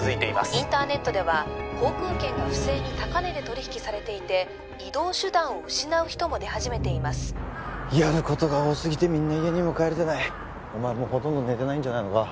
インターネットでは航空券が不正に高値で取引されていて移動手段を失う人も出始めていますやることが多すぎてみんな家にも帰れてないお前もほとんど寝てないんじゃないのか？